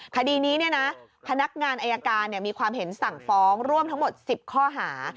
คดีนี้เนี่ยนะธนักงานอัยการเนี่ยมีความเห็นสั่งฟ้องร่วมทั้งหมด๑๐ข้อหา